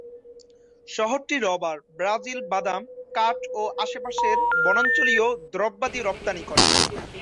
শহরটি rubber, Brazil বাদাম, কাঠ, ও আশেপাশের বনাঞ্চলীয় দ্রব্যাদি রপ্তানি করে।